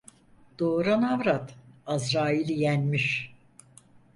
Doğuran avrat Azrail'i yenmiş.